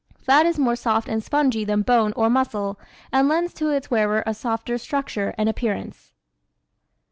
Fat is more soft and spongy than bone or muscle and lends to its wearer a softer structure and appearance.